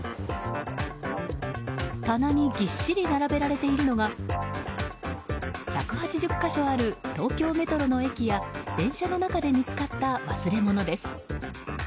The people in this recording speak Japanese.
棚にぎっしり並べられているのが１８０か所ある東京メトロの駅や電車の中で見つかった忘れ物です。